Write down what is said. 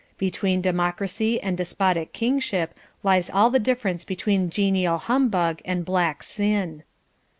Between democracy and despotic kingship lies all the difference between genial humbug and black sin.